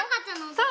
そう。